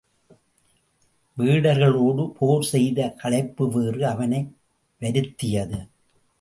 வேடர்களோடு போர் செய்த களைப்பு வேறு அவனை வருத்தியது.